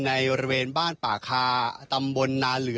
ในบ้านปาคา